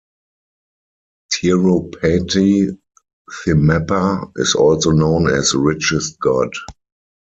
Tirupati Thimmappa is also known as richest God.